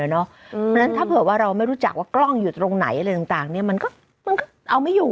อืมดังนั้นถ้าเผื่อว่าเราไม่รู้จักว่ากล้องอยู่ตรงไหนอะไรต่างต่างเนี้ยมันก็มันก็เอาไม่อยู่อ่ะ